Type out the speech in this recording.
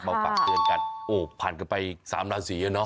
ฝากเตือนกันโอ้ผ่านกันไป๓ราศีอะเนาะ